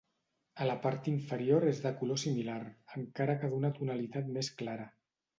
A la part inferior és de color similar, encara que d'una tonalitat més clara.